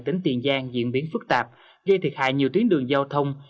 tỉnh tiền giang diễn biến phức tạp gây thiệt hại nhiều tuyến đường giao thông